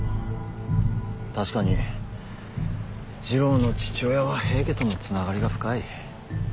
確かに次郎の父親は平家との繋がりが深い。